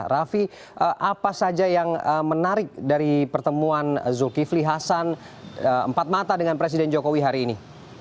raffi apa saja yang menarik dari pertemuan zulkifli hasan empat mata dengan presiden jokowi hari ini